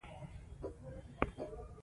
که خپلواکي وي نو فکر نه مري.